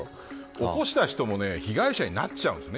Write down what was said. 起こした人も被害者になっちゃうんです。